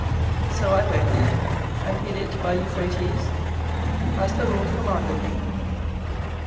24:013:005 So I went, and hid it by Euphrates, as the LORD commanded me.